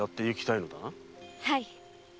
はい。